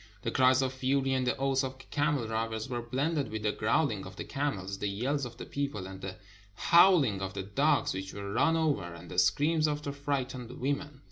The cries of fury and the oaths of the camel drivers were blended with the growling of the camels, the yells of the people, and the howling of the dogs which were run over, and the screams of the fright ened women.